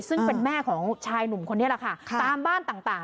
ซึ่งเป็นแม่ของชายหนุ่มคนนี้แหละค่ะตามบ้านต่าง